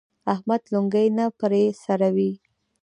احمد لونګۍ نه پر سروي.